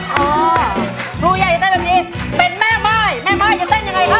ครูใหญ่จะเต้นแบบนี้เป็นแม่ม่ายแม่ม่ายจะเต้นยังไงครับ